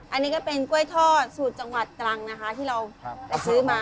อันนี้ก็เป็นกล้วยทอดสูตรจังหวัดตรังนะคะที่เราไปซื้อมา